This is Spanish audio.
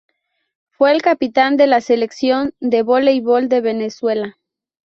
Fue el capitán de la selección de voleibol de Venezuela.